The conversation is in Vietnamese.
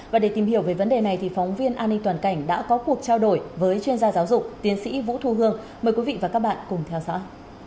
và để tìm hiểu về vấn đề này thì phóng viên an ninh toàn cảnh đã có cuộc trao đổi với chuyên gia giáo dục tiến sĩ vũ thu hương mời quý vị và các bạn cùng theo dõi